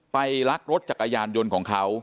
ลักรถจักรยานยนต์ของเขา